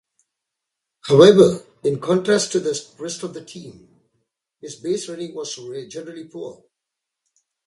However, in contrast to the rest of the team, his baserunning was generally poor.